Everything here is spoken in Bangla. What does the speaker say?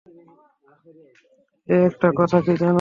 এ-একটা কথা কি জানো?